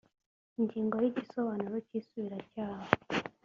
ingingo ya igisobanuro cy isubiracyaha